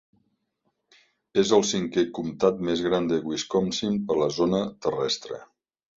És el cinquè Comtat més gran de Wisconsin per la zona terrestre.